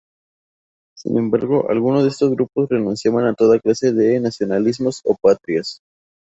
Sin embargo algunos de estos grupos renunciaban a toda clase de nacionalismos o patrias.